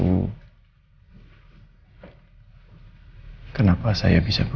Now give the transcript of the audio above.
tuage kembali lagi